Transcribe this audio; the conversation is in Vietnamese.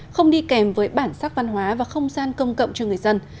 không đi kèm với bản sắc văn hóa và không gian công cộng cho người dân